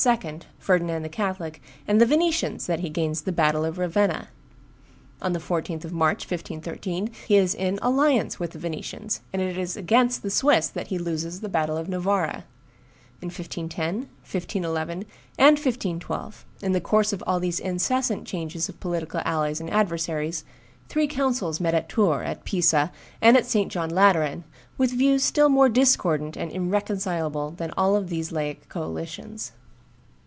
Ferdinand the Catholic, and the Venetians that he gains the battle of Ravenna. On the 14th of March, 1513, he is in alliance with the Venetians, and it is against the Swiss that he loses the battle of Novara. In 1510, 1511, and 1512, in the course of all these incessant changes of political allies and adversaries, three councils met at Tours, at Pisa, and at St. John Lateran with views still more discordant and irreconcilable than those of all these laic coalitions.